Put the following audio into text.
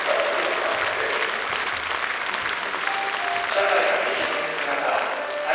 社会が激変する中斎